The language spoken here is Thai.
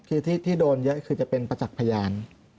คือที่โดนเยอะคือจะเป็นประจักษ์พยาน